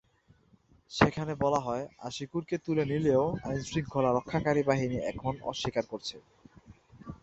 সেখানে বলা হয়, আশিকুরকে তুলে নিলেও আইনশৃঙ্খলা রক্ষাকারী বাহিনী এখন অস্বীকার করছে।